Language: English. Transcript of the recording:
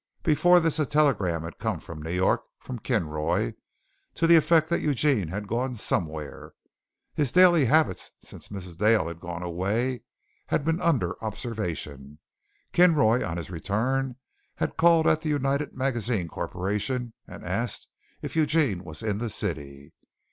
Before this a telegram had come from New York from Kinroy to the effect that Eugene had gone somewhere. His daily habits since Mrs. Dale had gone away had been under observation. Kinroy, on his return, had called at the United Magazines Corporation and asked if Eugene was in the city.